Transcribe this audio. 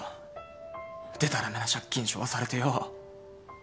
でたらめな借金しょわされてよ。